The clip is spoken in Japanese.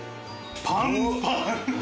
パンパン！